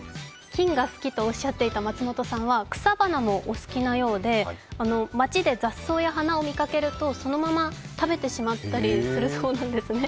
菌が好きとおっしゃっていた松本さんは草花もお好きなようで街で雑草や花を見かけるとそのまま食べてしまったりするそうなんですね。